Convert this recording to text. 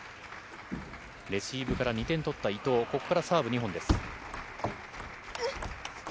レシーブから２点取った伊藤、ここからサーブ２本です。